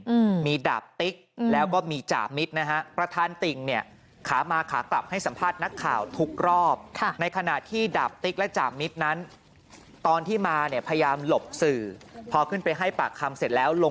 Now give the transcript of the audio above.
อืมมีดาบติ๊กอืมแล้วก็มีจ่ามิตนะฮะประธานติ่งเนี่ย